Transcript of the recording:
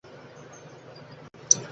তোমাকে সবার সামনে আমাকে গ্রহণ করতে হবে।